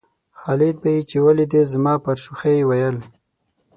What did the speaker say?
خالد به یې چې ولېده زما پر شوخۍ ویل.